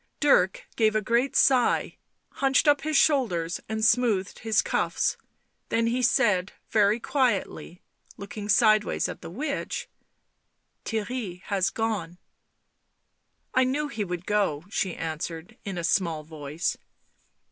Dirk gave a great sigh, hunched up his shoulders, and smoothed his cuffs; then he said, very quietly, looking sideways at the witch: "Theirry has gone." " I knew he would go," she answered in a small voice.